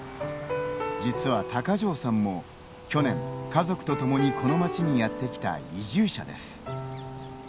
実は高城さんも、去年家族と共にこの町にやって来た移住者です。